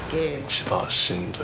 一番しんどい。